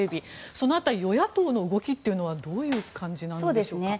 その辺り、与野党の動きはどういう感じなんでしょうか。